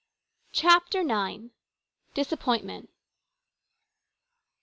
CHAPTER IX. DISAPPOINTMENT.